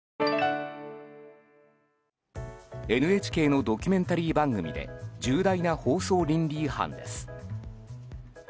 ＮＨＫのドキュメンタリー番組で重大な放送倫理違反です。